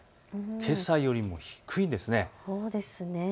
けさよりも低いんです。